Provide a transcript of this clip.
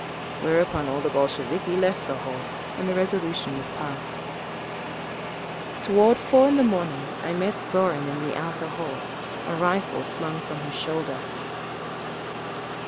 Whereupon all the Bolsheviki left the hall and the resolution was passed…. Toward four in the morning I met Zorin in the outer hall, a rifle slung from his shoulder.